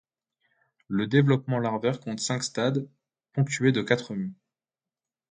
Le développement larvaire compte cinq stades, ponctués de quatre mues.